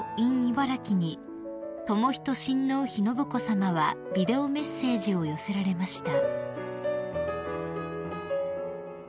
茨城に仁親王妃信子さまはビデオメッセージを寄せられました］